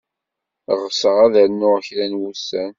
Ɣseɣ ad ternud kra n wussan.